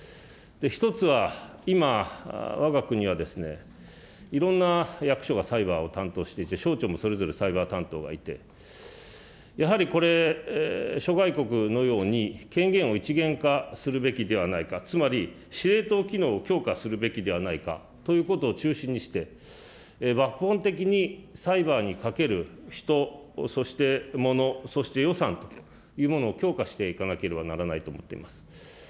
１つは今、わが国はいろんな役所がサイバーを担当していて、省庁もそれぞれサイバー担当がいて、やはりこれ、諸外国のように権限を一元化するべきではないか、つまり、司令塔機能を強化するべきではないかということを中心にして、抜本的に、サイバーにかける人、そしてもの、そして予算というものを強化していかなければならないと思っています。